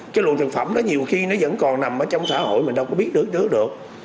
cái luồng thực phẩm đó nhiều khi nó vẫn còn nằm trong xã hội mình đâu có biết được nữa được